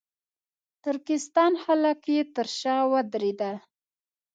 ترکستان خلک یې تر شا ودرېدل.